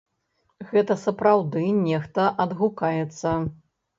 Гэта сапраўды нехта адгукаецца.